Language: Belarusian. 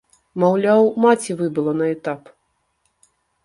Маўляў, маці выбыла на этап.